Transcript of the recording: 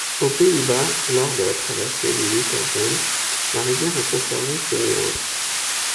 Aux Pays-Bas, lors de la traversée du Lutterzand, la rivière a conservé ses méandres.